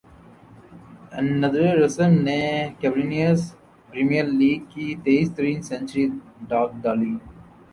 ندرے Russell نے Caribbeans Premier league کی تیز ترین سنچری داغ ڈالی